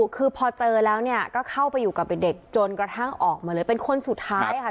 คือพอเจอแล้วเนี่ยก็เข้าไปอยู่กับเด็กจนกระทั่งออกมาเลยเป็นคนสุดท้ายค่ะ